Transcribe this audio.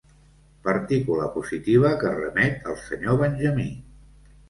Partícula positiva que remet al senyor Benjamí.